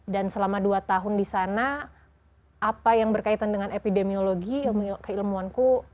dan selama dua tahun di sana apa yang berkaitan dengan epidemiologi keilmuanku